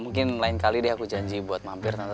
mungkin lain kali deh aku janji buat mampir